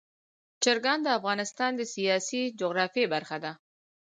چرګان د افغانستان د سیاسي جغرافیه برخه ده.